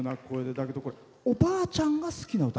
だけど、これおばあちゃんが好きな歌？